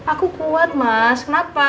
aku kuat mas kenapa